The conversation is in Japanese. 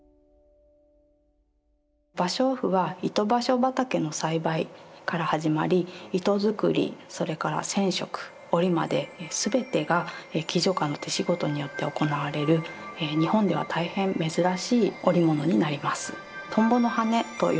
芭蕉布は糸芭蕉畑の栽培から始まり糸作りそれから染色織りまで全てが喜如嘉の手仕事によって行われる日本では大変珍しい織物になります。